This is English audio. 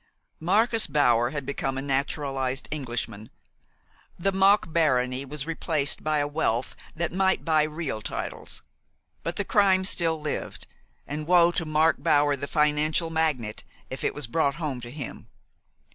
Marcus Bauer had become a naturalized Englishman. The mock barony was replaced by a wealth that might buy real titles. But the crime still lived, and woe to Mark Bower, the financial magnate, if it was brought home to him!